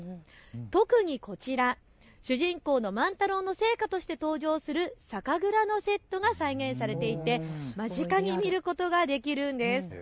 特にこちら主人公の万太郎の生家として登場する酒蔵のセットが再現されていて間近に見ることができるんです。